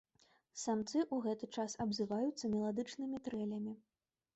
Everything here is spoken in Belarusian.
Самцы ў гэты час абзываюцца меладычнымі трэлямі.